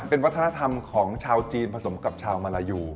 เป็นวัฒนธรรมของชาวจีนผสมกับชาวมาลายู